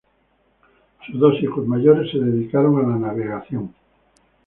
Sus dos hijos mayores se dedicaron a la navegación.